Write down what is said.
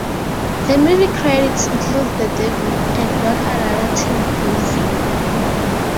Her movie credits include "The Debut" and "Not Another Teen Movie".